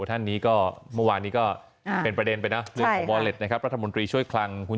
ท่านนี้ก็เมื่อวานนี้ก็เป็นประเด็นไปนะรัฐมนตรีช่วยคลังคุณ